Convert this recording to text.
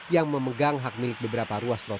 yang memegang hak milik beberapa ruas trotoar